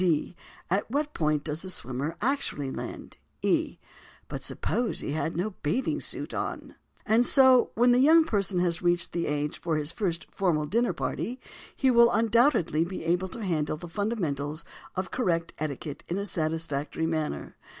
D. At what point does the swimmer actually land? E. But suppose that he has no bathing suit on?_ And so, when the young person has reached the age for his first formal dinner party, he will undoubtedly be able to handle the fundamentals of correct etiquette in a satisfactory manner.